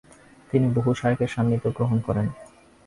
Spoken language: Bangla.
তিনি বহু শায়খের সান্নিধ্য গ্রহণ করেন।